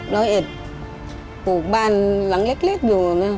ร้อยเอ็ดปลูกบ้านหลังเล็กอยู่นะ